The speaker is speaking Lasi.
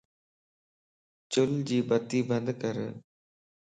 چل جي بتي بندڪر